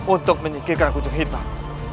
untuk menyingkirkan kucing hitam